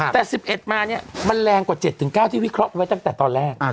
แต่๑๑มาเนี่ยมันแรงกว่า๗๙ที่วิเคราะห์ไว้ตั้งแต่ตอนแรก